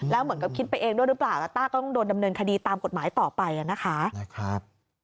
แล้วเหมือนกับคิดไปเองด้วยหรือเปล่าต้าก็ต้องโดนดำเนินคดีตามกฎหมายต่อไปนะคะ